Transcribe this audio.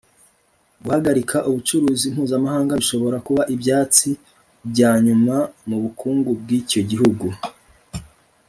Guhagarika ubucuruzi mpuzamahanga bishobora kuba ibyatsi byanyuma mubukungu bwicyo gihugu